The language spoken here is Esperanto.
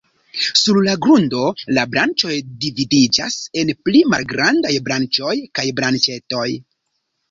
Sur la grundo, la branĉoj dividiĝas en pli malgrandaj branĉoj kaj branĉetoj.